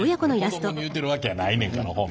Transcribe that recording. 子供に言うてるわけやないねんから。